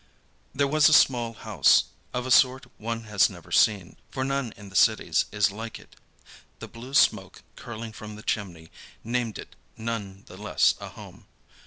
There was a small house, of a sort one has never seen, for none in the cities is like it. The blue smoke curling from the chimney named it none the less a home.